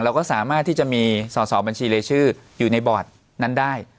เราก็สามารถที่จะมีสอสอบัญชีรายชื่ออยู่ในบอร์ดนั้นได้